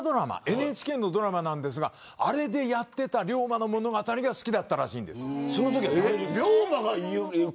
ＮＨＫのドラマなんですがあれでやっていた龍馬の物語が好きだったらしいんです。